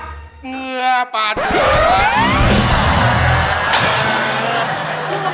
เหงื่อปาดเหงื่อ